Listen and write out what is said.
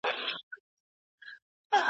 وایم ګوندي چي پناه سم .